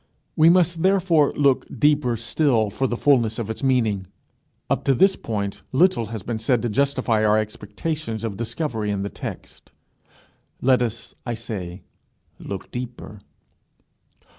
We must therefore look deeper still for the fulness of its meaning. Up to this point little has been said to justify our expectations of discovery in the text. Let us, I say, look deeper.